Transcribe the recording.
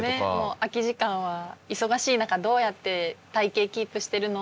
空き時間は「忙しい中どうやって体型キープしてるの？」